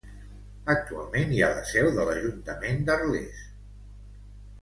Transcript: Actualment hi ha la seu de l'Ajuntament d'Arles.